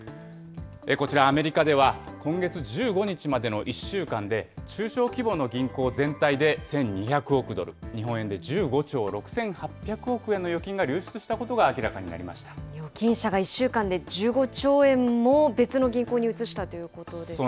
こちら、アメリカでは今月１５日までの１週間で、中小規模の銀行全体で１２００億ドル、日本円で１５兆６８００億円の預金が流出したことが明らかになり預金者が１週間で１５兆円も別の銀行に移したということですよね。